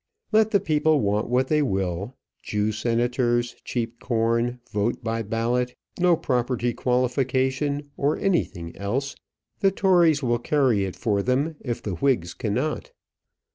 Let the people want what they will, Jew senators, cheap corn, vote by ballot, no property qualification, or anything else, the Tories will carry it for them if the Whigs cannot.